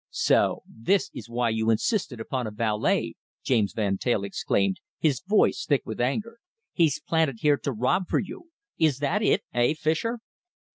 "So this is why you insisted upon a valet!" James Van Teyl exclaimed, his voice thick with anger. "He's planted here to rob for you! Is that it, eh, Fischer?"